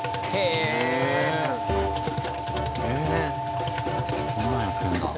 ええっこんなんやってるんだ。